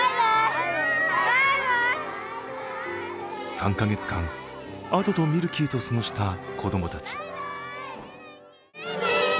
３か月間アドとミルキーと過ごした子供たち。